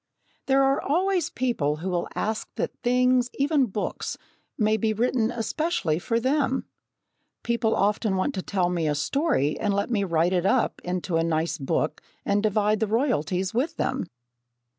There are always people who will ask that things, even books, may be written especially for them. People often want to tell me a story and let me write it up into a nice book and divide the royalties with them!